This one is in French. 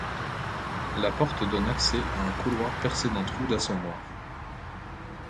La porte donne accès à un couloir percé d'un trou d'assommoir.